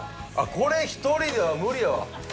これ１人では無理やわ。